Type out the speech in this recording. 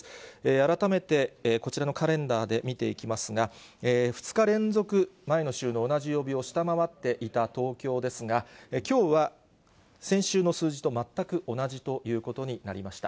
改めてこちらのカレンダーで見ていきますが、２日連続、前の週の同じ曜日を下回っていた東京ですが、きょうは先週の数字と全く同じということになりました。